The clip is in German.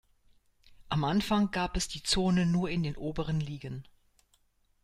Am Anfang gab es die Zone nur in den oberen Ligen.